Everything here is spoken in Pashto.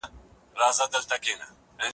ایا انا به وکولای شي چې ماشوم ته بښنه وکړي؟